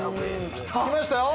きましたよ。